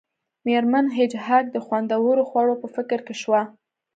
میرمن هیج هاګ د خوندورو خوړو په فکر کې شوه